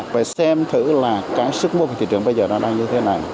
phải xem thử là cái sức mua của thị trường bây giờ nó đang như thế nào